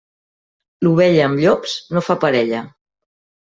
L'ovella amb llops no fa parella.